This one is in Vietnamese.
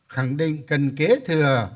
khẳng định cần kế thừa